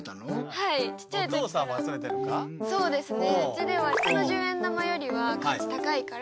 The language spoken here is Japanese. そうですね。